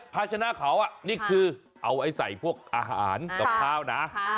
ภาชนะเขานี่คือเอาไอ้ใส่พวกอาหารกับข้าวนะ